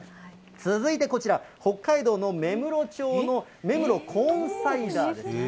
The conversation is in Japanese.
続いてこちら、北海道の芽室町の芽室コーンサイダーです。